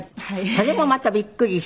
それもまたびっくりした事で。